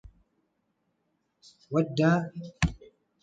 وُدَّ فلم تُبقِ على وُدِّه